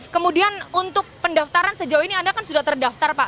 kemudian untuk pendaftaran sejauh ini anda kan sudah terdaftar pak